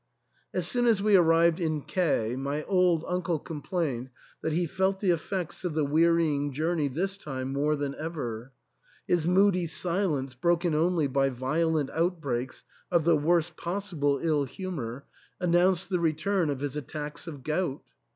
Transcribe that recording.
As soon as we arrived in K my old uncle com plained that he felt the effects of the wearying journey this time more than ever. Flis moody silence, broken only by violent outbreaks of the worst possible ill humour, announced the return of his attacks of gout.